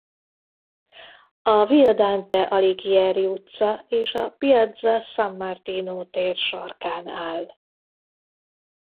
A Via Dante Alighieri utca és a Piazza San Martino tér sarkán áll.